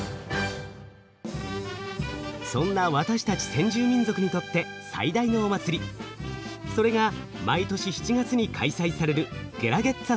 そんな私たち先住民族にとって最大のお祭りそれが毎年７月に開催される